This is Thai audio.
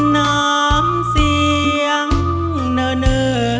น้ำเสียงเนอ